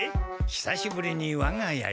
久しぶりにわが家へ。